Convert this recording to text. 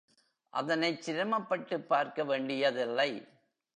அதனைச் சிரமப்பட்டுப் பார்க்க வேண்டியதில்லை.